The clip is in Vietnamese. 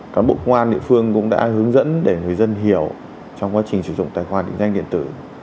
cán bộ công an địa phương cũng đã hướng dẫn để người dân hiểu trong quá trình sử dụng tài khoản định danh điện tử